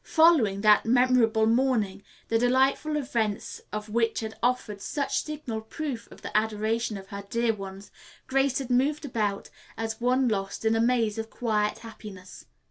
Following that memorable morning, the delightful events of which had offered such signal proof of the adoration of her dear ones, Grace had moved about as one lost in a maze of quiet happiness.